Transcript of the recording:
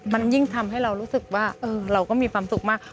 มันยิ่งทำให้เรารู้สึกว่าเราก็มีความสุขมาก